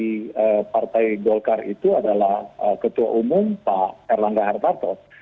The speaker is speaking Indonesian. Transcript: dari partai golkar itu adalah ketua umum pak erlangga hartarto